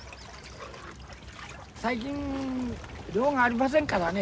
最近量がありませんからね。